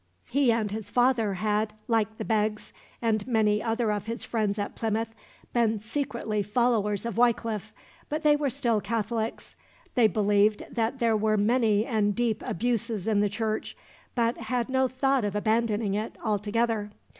He and his father had like the Beggs, and many other of his friends at Plymouth been secretly followers of Wycliffe, but they were still Catholics. They believed that there were many and deep abuses in the Church, but had no thought of abandoning it altogether.